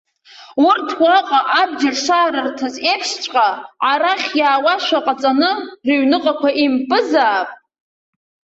Урҭ уаҟа абџьар шаарырҭаз еиԥшҵәҟьа, арахь иаауашәа ҟаҵаны, рыҩныҟақәа еимпызаап.